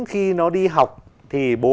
khi nó đi học thì bố